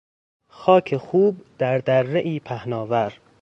خاک خوب در درهای پهناور